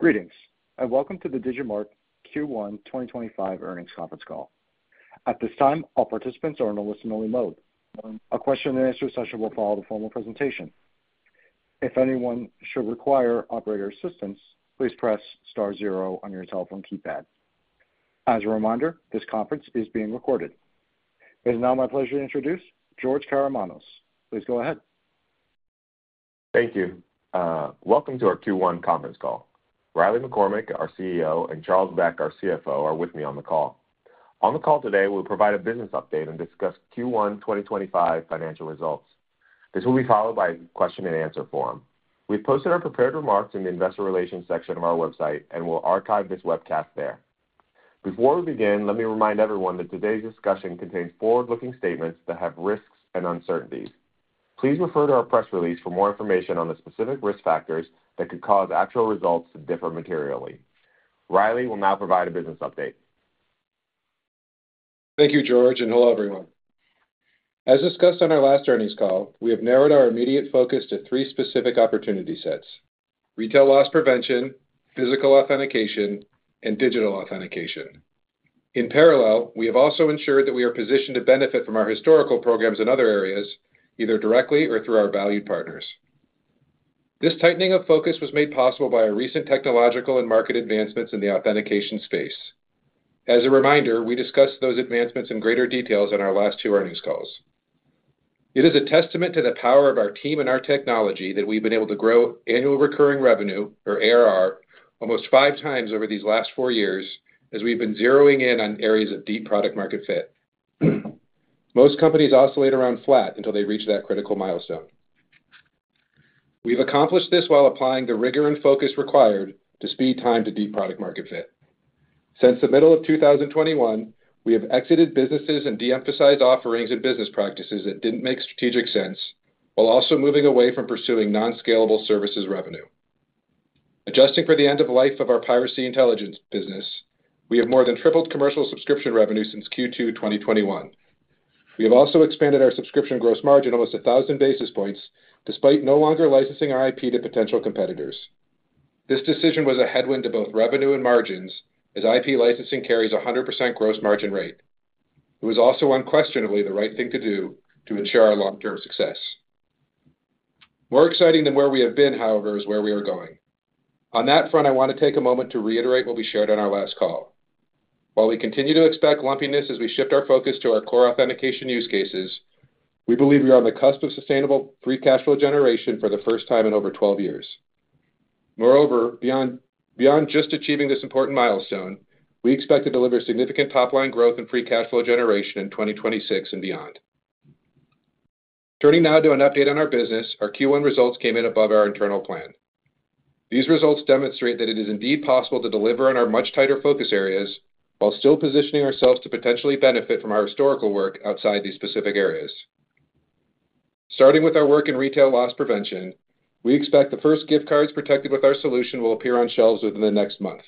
Greetings, and welcome to the Digimarc Q1 2025 Earnings Conference Call. At this time, all participants are in a listen-only mode. A question-and-answer session will follow the formal presentation. If anyone should require operator assistance, please press star zero on your telephone keypad. As a reminder, this conference is being recorded. It is now my pleasure to introduce George Karamanos. Please go ahead. Thank you. Welcome to our Q1 Conference Call. Riley McCormack, our CEO, and Charles Beck, our CFO, are with me on the call. On the call today, we'll provide a business update and discuss Q1 2025 Financial Results. This will be followed by a question-and-answer forum. We've posted our prepared remarks in the investor relations section of our website and will archive this webcast there. Before we begin, let me remind everyone that today's discussion contains forward-looking statements that have risks and uncertainties. Please refer to our press release for more information on the specific risk factors that could cause actual results to differ materially. Riley will now provide a business update. Thank you, George, and hello, everyone. As discussed on our last earnings call, we have narrowed our immediate focus to three specific opportunity sets: retail loss prevention, physical authentication, and digital authentication. In parallel, we have also ensured that we are positioned to benefit from our historical programs in other areas, either directly or through our valued partners. This tightening of focus was made possible by our recent technological and market advancements in the authentication space. As a reminder, we discussed those advancements in greater detail on our last two earnings calls. It is a testament to the power of our team and our technology that we've been able to grow annual recurring revenue, or ARR, almost five times over these last four years as we've been zeroing in on areas of deep product-market fit. Most companies oscillate around flat until they reach that critical milestone. We've accomplished this while applying the rigor and focus required to speed time to deep product-market fit. Since the middle of 2021, we have exited businesses and de-emphasized offerings and business practices that didn't make strategic sense, while also moving away from pursuing non-scalable services revenue. Adjusting for the end of life of our piracy intelligence business, we have more than tripled commercial subscription revenue since Q2 2021. We have also expanded our subscription gross margin almost 1,000 basis points, despite no longer licensing our IP to potential competitors. This decision was a headwind to both revenue and margins, as IP licensing carries a 100% gross margin rate. It was also unquestionably the right thing to do to ensure our long-term success. More exciting than where we have been, however, is where we are going. On that front, I want to take a moment to reiterate what we shared on our last call. While we continue to expect lumpiness as we shift our focus to our core authentication use cases, we believe we are on the cusp of sustainable free cash flow generation for the first time in over 12 years. Moreover, beyond just achieving this important milestone, we expect to deliver significant top-line growth in free cash flow generation in 2026 and beyond. Turning now to an update on our business, our Q1 results came in above our internal plan. These results demonstrate that it is indeed possible to deliver on our much tighter focus areas while still positioning ourselves to potentially benefit from our historical work outside these specific areas. Starting with our work in retail loss prevention, we expect the first gift cards protected with our solution will appear on shelves within the next month.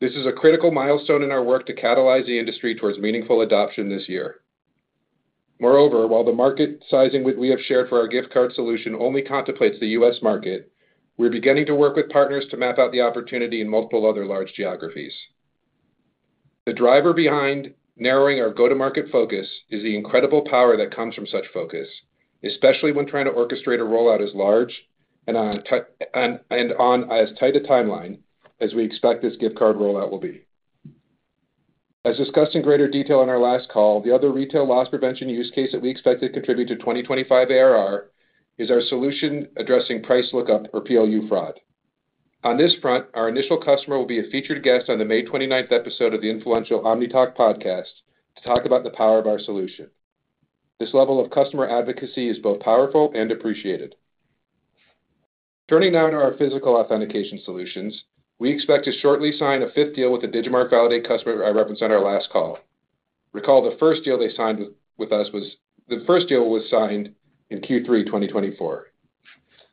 This is a critical milestone in our work to catalyze the industry towards meaningful adoption this year. Moreover, while the market sizing we have shared for our gift card solution only contemplates the U.S. market, we're beginning to work with partners to map out the opportunity in multiple other large geographies. The driver behind narrowing our go-to-market focus is the incredible power that comes from such focus, especially when trying to orchestrate a rollout as large and on as tight a timeline as we expect this gift card rollout will be. As discussed in greater detail on our last call, the other retail loss prevention use case that we expect to contribute to 2025 ARR is our solution addressing price lookup, or PLU, fraud. On this front, our initial customer will be a featured guest on the May 29th episode of the influential Omni Talk Podcast to talk about the power of our solution. This level of customer advocacy is both powerful and appreciated. Turning now to our physical authentication solutions, we expect to shortly sign a fifth deal with a Digimarc Validate customer I referenced on our last call. Recall, the first deal they signed with us was the first deal was signed in Q3 2024.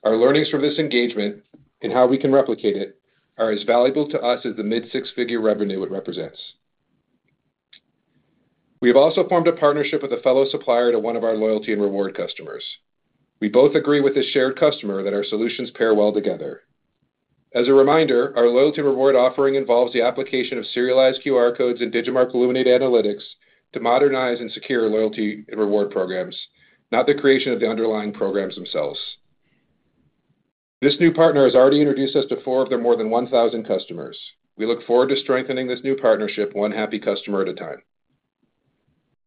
Our learnings from this engagement and how we can replicate it are as valuable to us as the mid-six-figure revenue it represents. We have also formed a partnership with a fellow supplier to one of our loyalty and reward customers. We both agree with this shared customer that our solutions pair well together. As a reminder, our loyalty and reward offering involves the application of serialized QR codes in Digimarc Illuminate Analytics to modernize and secure loyalty and reward programs, not the creation of the underlying programs themselves. This new partner has already introduced us to four of their more than 1,000 customers. We look forward to strengthening this new partnership one happy customer at a time.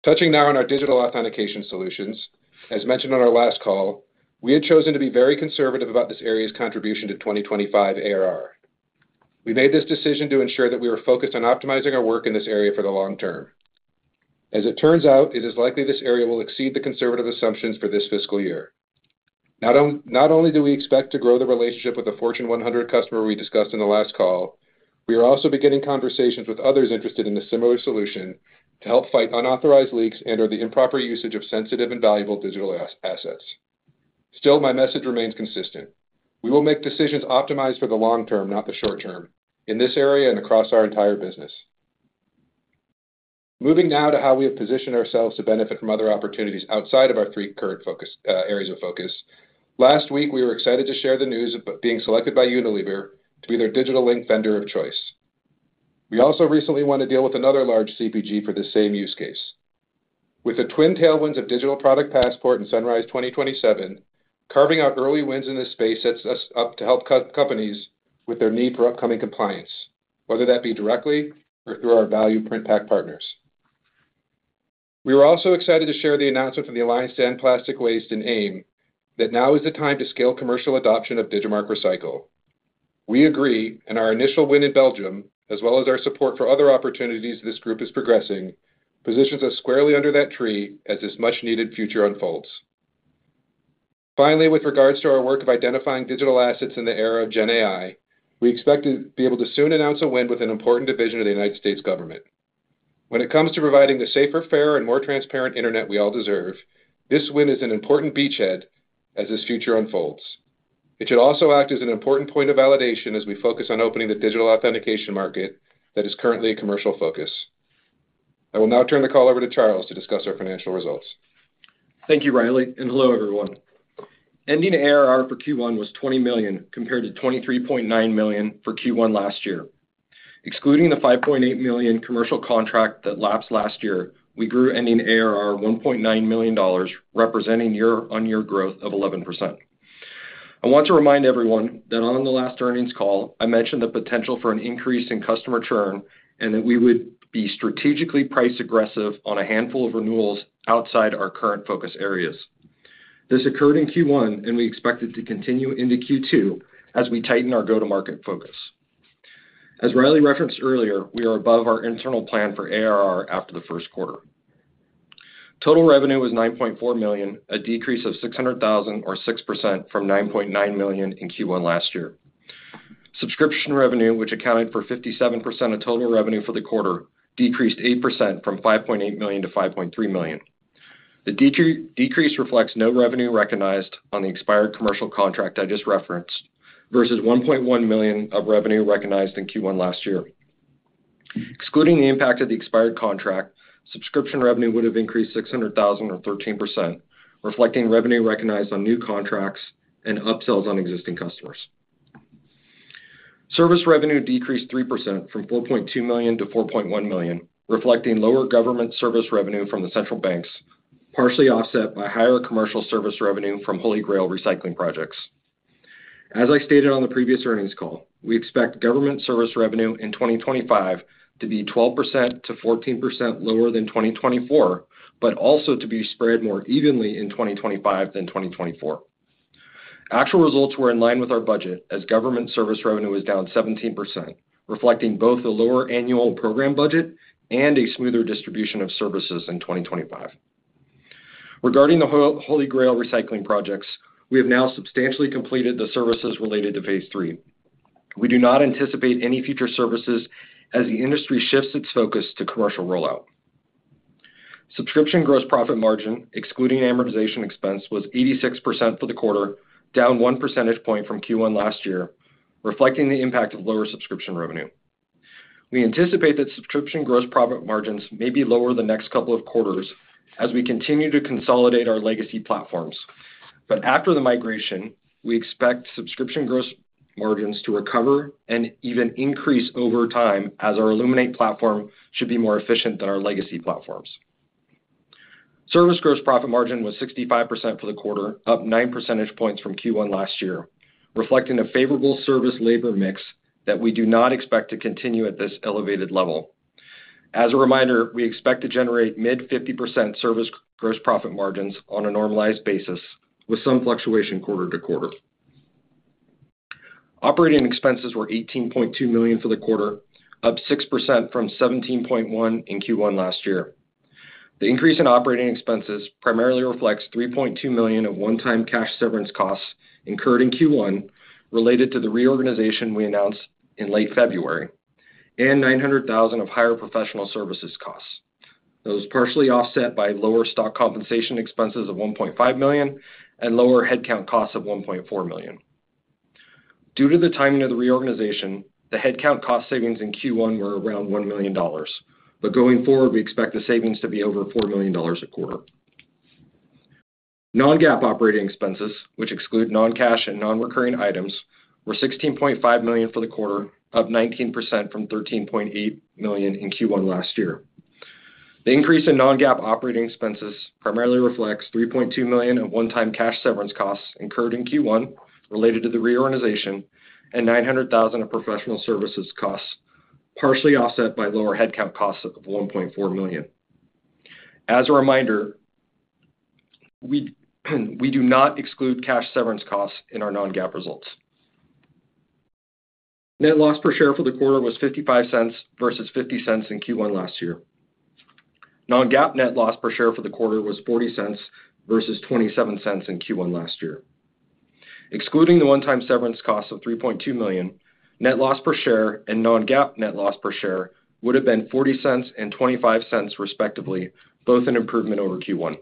Touching now on our digital authentication solutions, as mentioned on our last call, we had chosen to be very conservative about this area's contribution to 2025 ARR. We made this decision to ensure that we were focused on optimizing our work in this area for the long term. As it turns out, it is likely this area will exceed the conservative assumptions for this fiscal year. Not only do we expect to grow the relationship with the Fortune 100 customer we discussed in the last call, we are also beginning conversations with others interested in a similar solution to help fight unauthorized leaks and/or the improper usage of sensitive and valuable digital assets. Still, my message remains consistent: we will make decisions optimized for the long term, not the short term, in this area and across our entire business. Moving now to how we have positioned ourselves to benefit from other opportunities outside of our three current focus areas of focus, last week we were excited to share the news of being selected by Unilever to be their digital link vendor of choice. We also recently won a deal with another large CPG for this same use case. With the twin tailwinds of Digital Product Passport and Sunrise 2027, carving out early wins in this space sets us up to help companies with their need for upcoming compliance, whether that be directly or through our value print pack partners. We were also excited to share the announcement from the Alliance to End Plastic Waste and AIM that now is the time to scale commercial adoption of Digimarc Recycle. We agree, and our initial win in Belgium, as well as our support for other opportunities this group is progressing, positions us squarely under that tree as this much-needed future unfolds. Finally, with regards to our work of identifying digital assets in the era of Gen AI, we expect to be able to soon announce a win with an important division of the U.S. government. When it comes to providing the safer, fairer, and more transparent internet we all deserve, this win is an important beachhead as this future unfolds. It should also act as an important point of validation as we focus on opening the digital authentication market that is currently a commercial focus. I will now turn the call over to Charles to discuss our financial results. Thank you, Riley, and hello, everyone. Ending ARR for Q1 was $20 million compared to $23.9 million for Q1 last year. Excluding the $5.8 million commercial contract that lapsed last year, we grew ending ARR $1.9 million, representing year-on-year growth of 11%. I want to remind everyone that on the last earnings call, I mentioned the potential for an increase in customer churn and that we would be strategically price-aggressive on a handful of renewals outside our current focus areas. This occurred in Q1, and we expect it to continue into Q2 as we tighten our go-to-market focus. As Riley referenced earlier, we are above our internal plan for ARR after the first quarter. Total revenue was $9.4 million, a decrease of $600,000, or 6% from $9.9 million in Q1 last year. Subscription revenue, which accounted for 57% of total revenue for the quarter, decreased 8% from $5.8 million to $5.3 million. The decrease reflects no revenue recognized on the expired commercial contract I just referenced versus $1.1 million of revenue recognized in Q1 last year. Excluding the impact of the expired contract, subscription revenue would have increased $600,000, or 13%, reflecting revenue recognized on new contracts and upsells on existing customers. Service revenue decreased 3% from $4.2 million to $4.1 million, reflecting lower government service revenue from the central banks, partially offset by higher commercial service revenue from HolyGrail recycling projects. As I stated on the previous earnings call, we expect government service revenue in 2025 to be 12%-14% lower than 2024, but also to be spread more evenly in 2025 than 2024. Actual results were in line with our budget, as government service revenue was down 17%, reflecting both a lower annual program budget and a smoother distribution of services in 2025. Regarding the HolyGrail recycling projects, we have now substantially completed the services related to phase three. We do not anticipate any future services as the industry shifts its focus to commercial rollout. Subscription gross profit margin, excluding amortization expense, was 86% for the quarter, down one percentage point from Q1 last year, reflecting the impact of lower subscription revenue. We anticipate that subscription gross profit margins may be lower the next couple of quarters as we continue to consolidate our legacy platforms. After the migration, we expect subscription gross margins to recover and even increase over time as our Illuminate platform should be more efficient than our legacy platforms. Service gross profit margin was 65% for the quarter, up 9 percentage points from Q1 last year, reflecting a favorable service labor mix that we do not expect to continue at this elevated level. As a reminder, we expect to generate mid-50% service gross profit margins on a normalized basis, with some fluctuation quarter to quarter. Operating expenses were $18.2 million for the quarter, up 6% from $17.1 million in Q1 last year. The increase in operating expenses primarily reflects $3.2 million of one-time cash severance costs incurred in Q1 related to the reorganization we announced in late February and $900,000 of higher professional services costs. Those partially offset by lower stock compensation expenses of $1.5 million and lower headcount costs of $1.4 million. Due to the timing of the reorganization, the headcount cost savings in Q1 were around $1 million, but going forward, we expect the savings to be over $4 million a quarter. Non-GAAP operating expenses, which exclude non-cash and non-recurring items, were $16.5 million for the quarter, up 19% from $13.8 million in Q1 last year. The increase in non-GAAP operating expenses primarily reflects $3.2 million of one-time cash severance costs incurred in Q1 related to the reorganization and $900,000 of professional services costs, partially offset by lower headcount costs of $1.4 million. As a reminder, we do not exclude cash severance costs in our non-GAAP results. Net loss per share for the quarter was $0.55 versus $0.50 in Q1 last year. Non-GAAP net loss per share for the quarter was $0.40 versus $0.27 in Q1 last year. Excluding the one-time severance costs of $3.2 million, net loss per share and non-GAAP net loss per share would have been $0.40 and $0.25 respectively, both an improvement over Q1.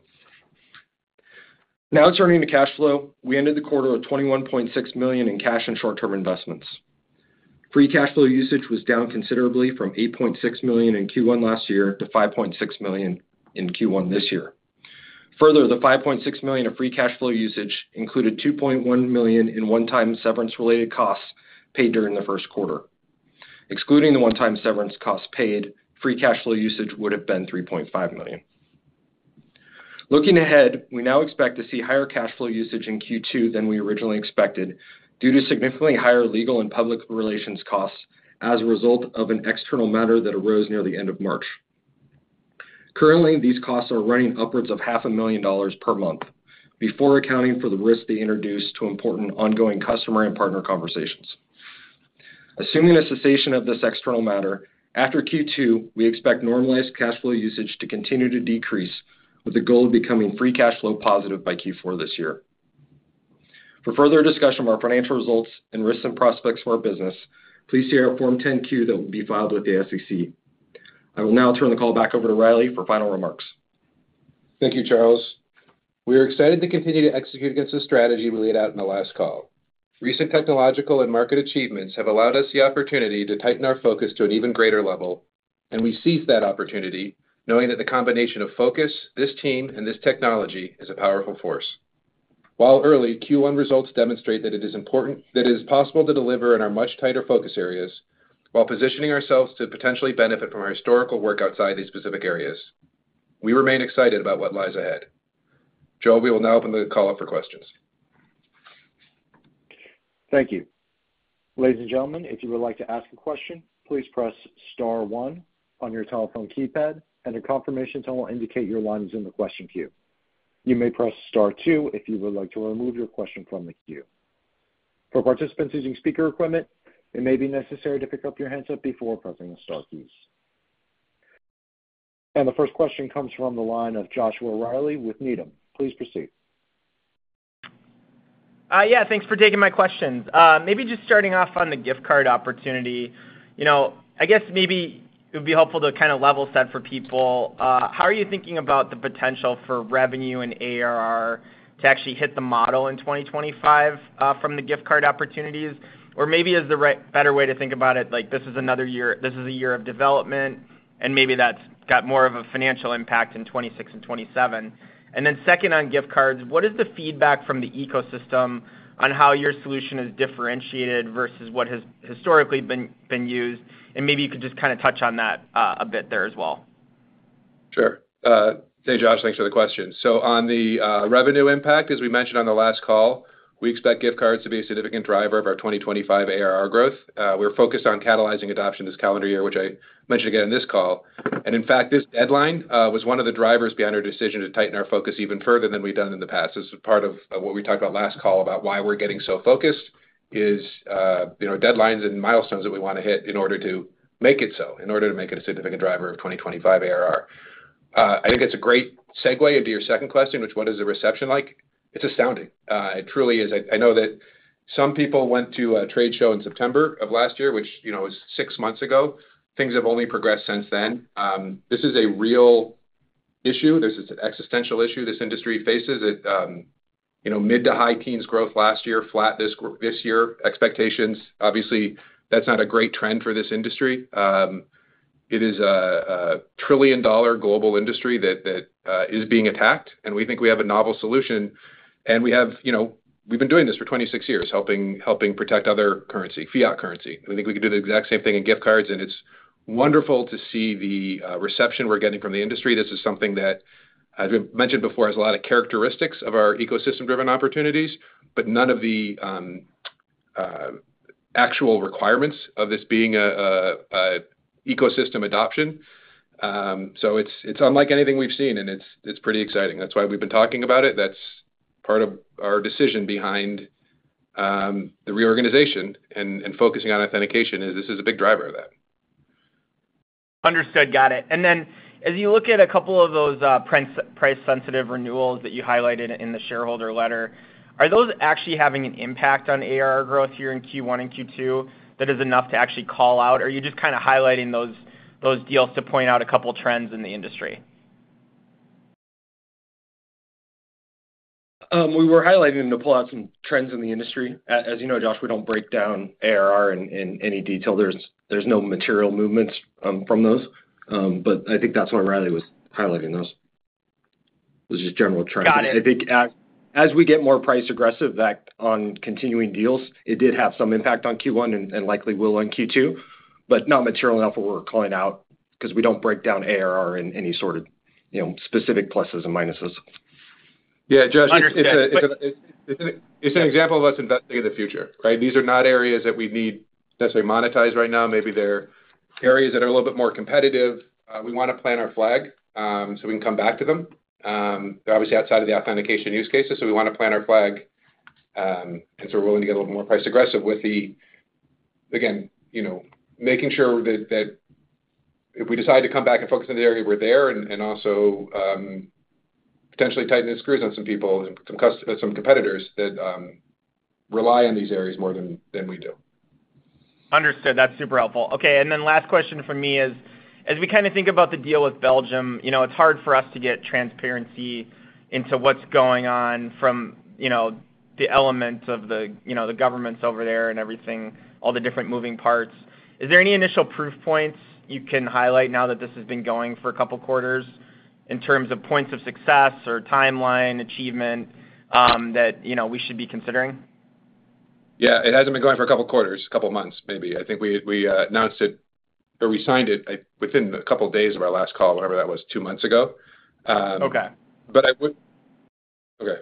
Now turning to cash flow, we ended the quarter with $21.6 million in cash and short-term investments. Free cash flow usage was down considerably from $8.6 million in Q1 last year to $5.6 million in Q1 this year. Further, the $5.6 million of free cash flow usage included $2.1 million in one-time severance-related costs paid during the first quarter. Excluding the one-time severance costs paid, free cash flow usage would have been $3.5 million. Looking ahead, we now expect to see higher cash flow usage in Q2 than we originally expected due to significantly higher legal and public relations costs as a result of an external matter that arose near the end of March. Currently, these costs are running upwards of $500,000 per month, before accounting for the risk they introduce to important ongoing customer and partner conversations. Assuming a cessation of this external matter, after Q2, we expect normalized cash flow usage to continue to decrease, with the goal of becoming free cash flow positive by Q4 this year. For further discussion of our financial results and risks and prospects for our business, please see our Form 10-Q that will be filed with the SEC. I will now turn the call back over to Riley for final remarks. Thank you, Charles. We are excited to continue to execute against the strategy we laid out in the last call. Recent technological and market achievements have allowed us the opportunity to tighten our focus to an even greater level, and we seize that opportunity knowing that the combination of focus, this team, and this technology is a powerful force. While early Q1 results demonstrate that it is important that it is possible to deliver in our much tighter focus areas, while positioning ourselves to potentially benefit from our historical work outside these specific areas, we remain excited about what lies ahead. Joel, we will now open the call up for questions. Thank you. Ladies and gentlemen, if you would like to ask a question, please press Star one on your telephone keypad, and a confirmation tone will indicate your line is in the question queue. You may press Star two if you would like to remove your question from the queue. For participants using speaker equipment, it may be necessary to pick up your handset before pressing the Star keys. The first question comes from the line of Joshua Reilly with Needham. Please proceed. Yeah, thanks for taking my questions. Maybe just starting off on the gift card opportunity, I guess maybe it would be helpful to kind of level set for people. How are you thinking about the potential for revenue and ARR to actually hit the model in 2025 from the gift card opportunities? Or maybe is the better way to think about it, like, this is another year this is a year of development, and maybe that's got more of a financial impact in 2026 and 2027. Second on gift cards, what is the feedback from the ecosystem on how your solution is differentiated versus what has historically been used? Maybe you could just kind of touch on that a bit there as well. Sure. Thank you, Josh. Thanks for the question. On the revenue impact, as we mentioned on the last call, we expect gift cards to be a significant driver of our 2025 ARR growth. We're focused on catalyzing adoption this calendar year, which I mentioned again in this call. In fact, this deadline was one of the drivers behind our decision to tighten our focus even further than we've done in the past. This is part of what we talked about last call about why we're getting so focused is deadlines and milestones that we want to hit in order to make it so, in order to make it a significant driver of 2025 ARR. I think it's a great segue into your second question, which, what is the reception like? It's astounding. It truly is. I know that some people went to a trade show in September of last year, which was six months ago. Things have only progressed since then. This is a real issue. This is an existential issue this industry faces. Mid to high teens growth last year, flat this year. Expectations, obviously, that's not a great trend for this industry. It is a trillion-dollar global industry that is being attacked, and we think we have a novel solution. We've been doing this for 26 years, helping protect other currency, fiat currency. We think we can do the exact same thing in gift cards, and it's wonderful to see the reception we're getting from the industry. This is something that, as we mentioned before, has a lot of characteristics of our ecosystem-driven opportunities, but none of the actual requirements of this being an ecosystem adoption. It's unlike anything we've seen, and it's pretty exciting. That's why we've been talking about it. That's part of our decision behind the reorganization and focusing on authentication is this is a big driver of that. Understood. Got it. As you look at a couple of those price-sensitive renewals that you highlighted in the shareholder letter, are those actually having an impact on ARR growth here in Q1 and Q2 that is enough to actually call out, or are you just kind of highlighting those deals to point out a couple of trends in the industry? We were highlighting them to pull out some trends in the industry. As you know, Josh, we don't break down ARR in any detail. There's no material movements from those, but I think that's why Riley was highlighting those. It was just general trends. Got it. I think as we get more price-aggressive on continuing deals, it did have some impact on Q1 and likely will on Q2, but not material enough where we're calling out because we don't break down ARR in any sort of specific pluses and minuses. Yeah, Josh, it's an example of us investing in the future, right? These are not areas that we need necessarily monetized right now. Maybe they're areas that are a little bit more competitive. We want to plant our flag so we can come back to them. They're obviously outside of the authentication use cases, so we want to plant our flag. We are willing to get a little more price-aggressive with the, again, making sure that if we decide to come back and focus on the area, we're there and also potentially tightening the screws on some people and some competitors that rely on these areas more than we do. Understood. That's super helpful. Okay. Last question for me is, as we kind of think about the deal with Belgium, it's hard for us to get transparency into what's going on from the elements of the governments over there and everything, all the different moving parts. Is there any initial proof points you can highlight now that this has been going for a couple of quarters in terms of points of success or timeline achievement that we should be considering? Yeah. It hasn't been going for a couple of quarters, a couple of months maybe. I think we announced it or we signed it within a couple of days of our last call, whenever that was, two months ago. Okay. I would. Okay.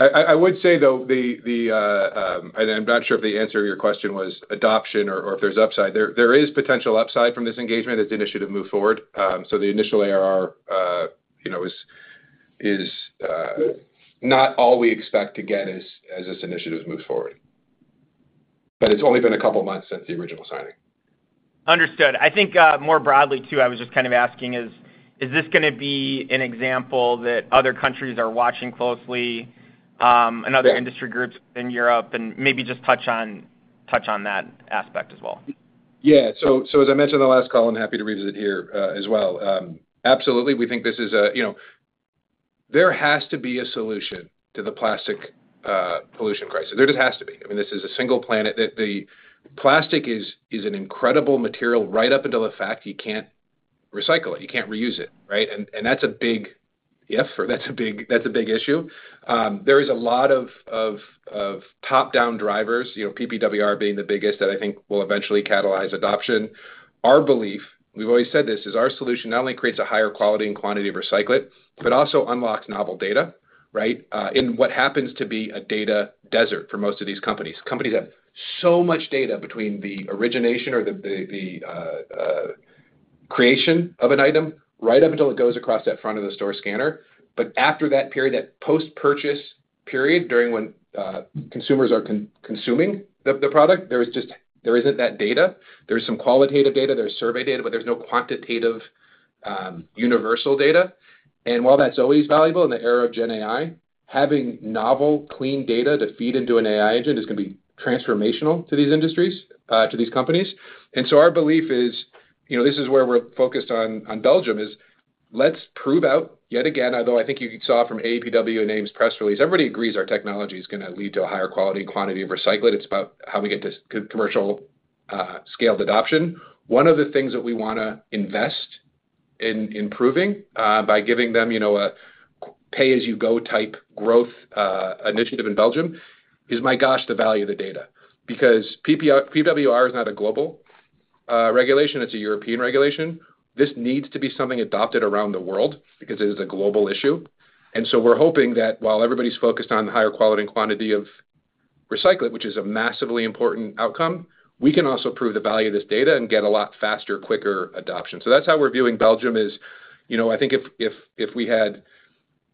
I would say, though, the—and I'm not sure if the answer to your question was adoption or if there's upside—there is potential upside from this engagement. It's an initiative to move forward. The initial ARR is not all we expect to get as this initiative has moved forward. It's only been a couple of months since the original signing. Understood. I think more broadly, too, I was just kind of asking, is this going to be an example that other countries are watching closely, another industry group in Europe, and maybe just touch on that aspect as well? Yeah. As I mentioned in the last call, I'm happy to revisit here as well. Absolutely. We think this is a—there has to be a solution to the plastic pollution crisis. There just has to be. I mean, this is a single planet that the plastic is an incredible material right up until the fact you can't recycle it. You can't reuse it, right? That's a big if, or that's a big issue. There is a lot of top-down drivers, PPWR being the biggest that I think will eventually catalyze adoption. Our belief, we've always said this, is our solution not only creates a higher quality and quantity of recyclate, but also unlocks novel data, right, in what happens to be a data desert for most of these companies. Companies have so much data between the origination or the creation of an item right up until it goes across that front-of-the-store scanner. After that period, that post-purchase period, during when consumers are consuming the product, there isn't that data. There's some qualitative data. There's survey data, but there's no quantitative universal data. While that's always valuable in the era of Gen AI, having novel, clean data to feed into an AI engine is going to be transformational to these industries, to these companies. Our belief is this is where we're focused on Belgium is let's prove out yet again, although I think you saw from Alliance to End Plastic Waste and AIM's press release, everybody agrees our technology is going to lead to a higher quality and quantity of recyclate. It's about how we get to commercial-scaled adoption. One of the things that we want to invest in improving by giving them a pay-as-you-go type growth initiative in Belgium is, my gosh, the value of the data. Because PPWR is not a global regulation. It is a European regulation. This needs to be something adopted around the world because it is a global issue. We are hoping that while everybody's focused on the higher quality and quantity of recyclate, which is a massively important outcome, we can also prove the value of this data and get a lot faster, quicker adoption. That is how we're viewing Belgium. I think if we had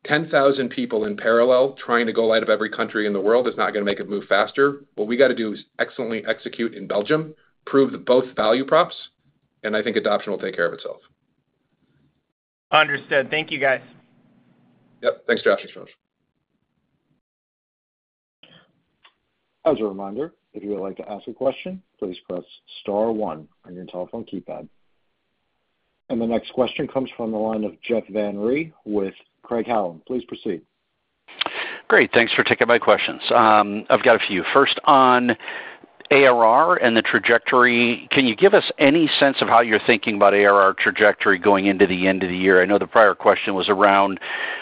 10,000 people in parallel trying to go light up every country in the world, it's not going to make it move faster. What we got to do is excellently execute in Belgium, prove both value props, and I think adoption will take care of itself. Understood. Thank you, guys. Yep. Thanks for asking, Charles. As a reminder, if you would like to ask a question, please press Star one on your telephone keypad. The next question comes from the line of Jeff Van Rhee with Craig-Hallum. Please proceed. Great. Thanks for taking my questions. I've got a few. First on ARR and the trajectory. Can you give us any sense of how you're thinking about ARR trajectory going into the end of the year? I know the prior question was around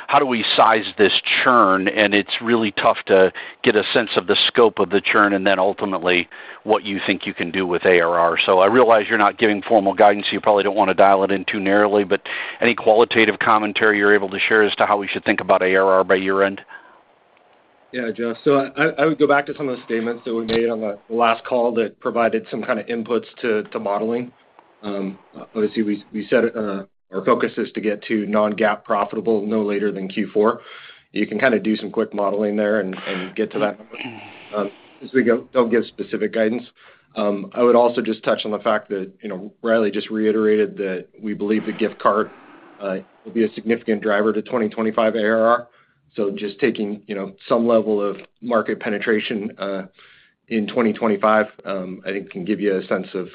how do we size this churn, and it's really tough to get a sense of the scope of the churn and then ultimately what you think you can do with ARR. I realize you're not giving formal guidance. You probably don't want to dial it in too narrowly, but any qualitative commentary you're able to share as to how we should think about ARR by year-end? Yeah, Josh. I would go back to some of the statements that we made on the last call that provided some kind of inputs to modeling. Obviously, we said our focus is to get to non-GAAP profitable no later than Q4. You can kind of do some quick modeling there and get to that number. We do not give specific guidance. I would also just touch on the fact that Riley just reiterated that we believe the gift card will be a significant driver to 2025 ARR. Just taking some level of market penetration in 2025, I think can give you a sense of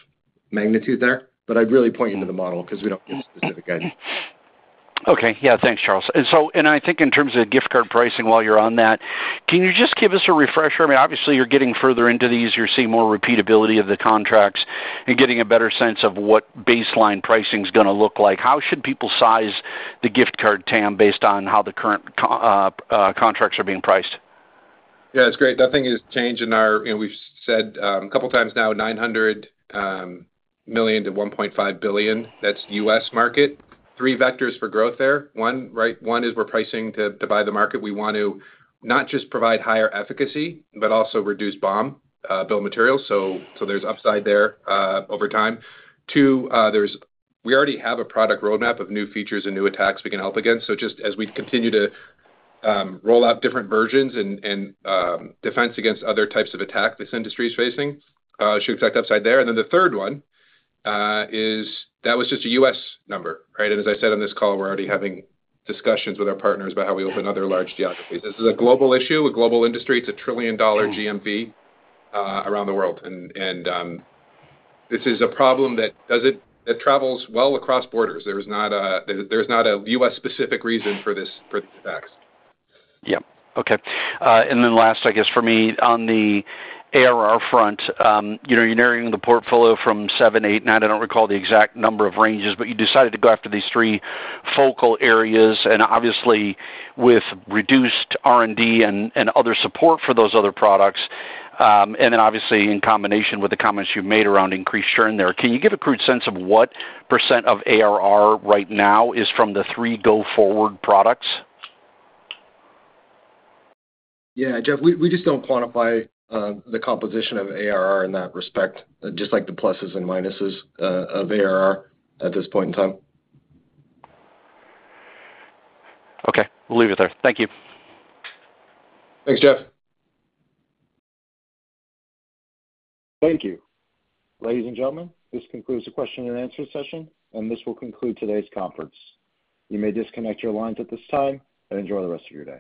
magnitude there. I would really point you to the model because we do not give specific guidance. Okay. Yeah. Thanks, Charles. I think in terms of gift card pricing, while you're on that, can you just give us a refresher? I mean, obviously, you're getting further into these. You're seeing more repeatability of the contracts and getting a better sense of what baseline pricing is going to look like. How should people size the gift card TAM, based on how the current contracts are being priced? Yeah. It's great. Nothing has changed in our—we've said a couple of times now—$900 million-$1.5 billion. That's US market. Three vectors for growth there. One is we're pricing to buy the market. We want to not just provide higher efficacy, but also reduce BOM, bill of materials. There's upside there over time. Two, we already have a product roadmap of new features and new attacks we can help against. Just as we continue to roll out different versions and defense against other types of attack this industry is facing, it should affect upside there. The third one is that was just a U.S. number, right? As I said on this call, we're already having discussions with our partners about how we open other large geographies. This is a global issue, a global industry. It's a trillion-dollar GMV around the world. This is a problem that travels well across borders. There's not a U.S.-specific reason for these attacks. Yep. Okay. Last, I guess, for me on the ARR front, you're narrowing the portfolio from seven, eight, nine—I don't recall the exact number of ranges—but you decided to go after these three focal areas. Obviously, with reduced R&D and other support for those other products, and obviously in combination with the comments you've made around increased churn there, can you give a crude sense of what % of ARR right now is from the three go-forward products? Yeah. Jeff, we just do not quantify the composition of ARR in that respect, just like the pluses and minuses of ARR at this point in time. Okay. We'll leave it there. Thank you. Thanks, Jeff. Thank you. Ladies and gentlemen, this concludes the question-and-answer session, and this will conclude today's conference. You may disconnect your lines at this time and enjoy the rest of your day.